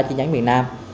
chi nhánh việt nam